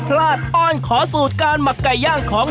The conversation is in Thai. แต่อยากรู้ว่าที่ขายดีขนาดนี้